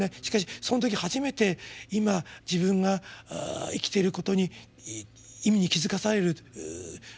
しかしその時初めて今自分が生きていることに意味に気付かされる。